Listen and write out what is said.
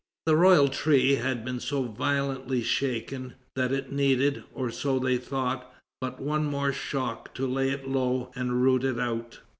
The royal tree had been so violently shaken, that it needed, or so they thought, but one more shock to lay it low and root it out.